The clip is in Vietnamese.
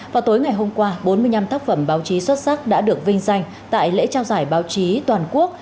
vào tối ngày hôm qua bốn mươi năm tác phẩm báo chí xuất sắc đã được vinh danh tại lễ trao giải báo chí toàn quốc